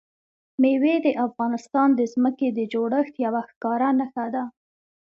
مېوې د افغانستان د ځمکې د جوړښت یوه ښکاره نښه ده.